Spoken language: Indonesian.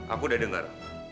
aku udah dengar